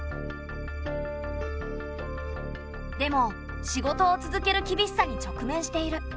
でも仕事を続ける厳しさに直面している。